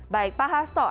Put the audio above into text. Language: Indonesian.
baik pak hasto